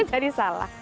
aku jadi salah